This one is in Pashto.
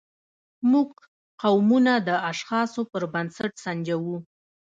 موږ قومونه د اشخاصو پر بنسټ سنجوو.